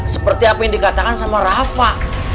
seperti apa yang dikatakan sama rafa